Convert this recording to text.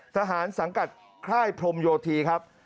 สังกัดค่ายพรมโยธีครับ